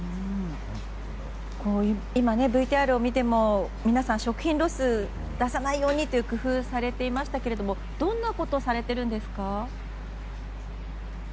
ＶＴＲを見ても皆さん、食品ロスを出さないようにと工夫されていましたけれどもどんなことをされているんですか。